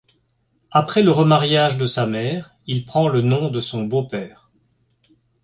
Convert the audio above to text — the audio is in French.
Après le remariage de sa mère, il prend le nom de son beau-père.